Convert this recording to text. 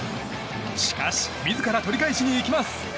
しかし自ら取り返しに行きます。